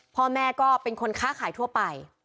พ่อแม่ก็เป็นคนค้าขายทั่วไป